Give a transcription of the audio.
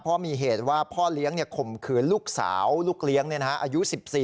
เพราะมีเหตุว่าพ่อเลี้ยงข่มขืนลูกสาวลูกเลี้ยงอายุ๑๔